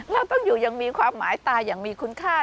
เราต้องอยู่อย่างมีความหมายตายอย่างมีคุณค่า